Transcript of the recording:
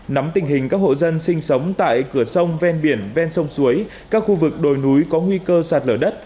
nắm tình hình các hộ dân sinh sống tại cửa sông ven biển ven sông suối các khu vực đồi núi có nguy cơ sạt lở đất